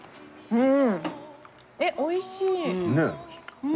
うん。